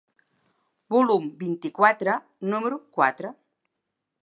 Volum vint-i-quatre, número quatre.